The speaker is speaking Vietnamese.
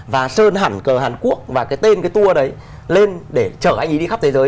và sơn hẳn cờ hàn quốc và cái tên cái tour đấy lên để chở anh ấy đi khắp thế giới